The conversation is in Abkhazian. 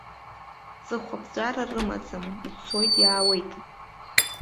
Ҵыхәаԥҵәара рымаӡам, ицоит, иаауеит.